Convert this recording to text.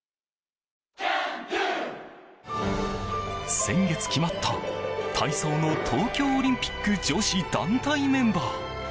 先月決まった、体操の東京オリンピック女子団体メンバー。